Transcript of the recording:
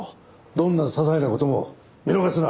どんな些細な事も見逃すな！